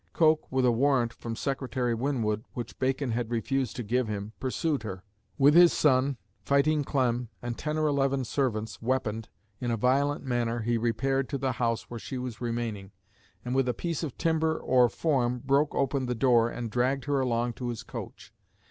Coke, with a warrant from Secretary Winwood, which Bacon had refused to give him, pursued her: "with his son, 'Fighting Clem,' and ten or eleven servants, weaponed, in a violent manner he repaired to the house where she was remaining, and with a piece of timber or form broke open the door and dragged her along to his coach."